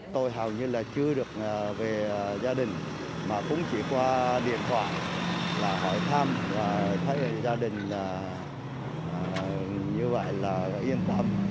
tôi hầu như là chưa được về gia đình mà cũng chỉ qua điện thoại là hỏi thăm và thấy gia đình là như vậy là yên tâm